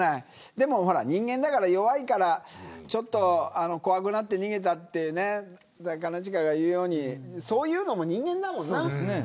でも、人間だから弱いから怖くなって逃げたってね兼近が言うようにそういうのも人間だもんな。